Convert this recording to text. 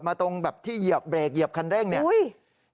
ตรงแบบที่เหยียบเบรกเหยียบคันเร่งเนี่ย